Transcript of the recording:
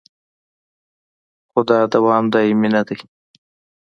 خو دا دوام دایمي نه دی